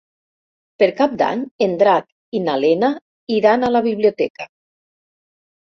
Per Cap d'Any en Drac i na Lena iran a la biblioteca.